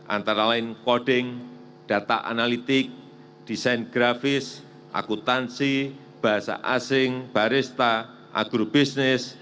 antara lain coding data analitik desain grafis akutansi bahasa asing barista agrobisnis